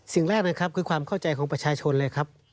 สิ่งแรกนะครับคือความเข้าใจของประชาชนเลยครับ